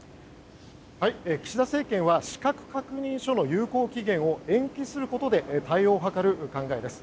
岸田政権は資格確認書の有効期限を延期することで対応を図る考えです。